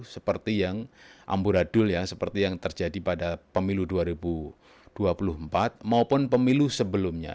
seperti yang amburadul ya seperti yang terjadi pada pemilu dua ribu dua puluh empat maupun pemilu sebelumnya